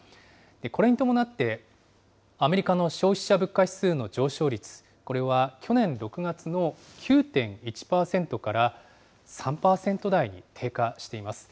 これに伴って、アメリカの消費者物価指数の上昇率、これは去年６月の９．１％から３％台に低下しています。